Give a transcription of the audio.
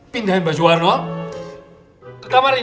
pindahin baju warno ke kamar ini